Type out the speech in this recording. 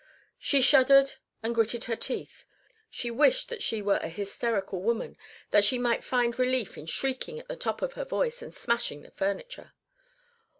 She shuddered and gritted her teeth; she wished that she were a hysterical woman that she might find relief in shrieking at the top of her voice and smashing the furniture.